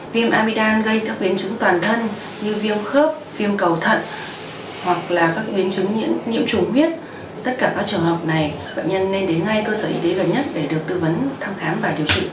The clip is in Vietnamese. viêm amidam gây các biến chứng toàn thân như viêm khớp viêm cầu thận hoặc là các biến chứng nhiễm chủng huyết tất cả các trường hợp này bệnh nhân nên đến ngay cơ sở y tế gần nhất để được tư vấn thăm khám và điều trị